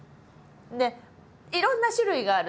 いろんな種類がある。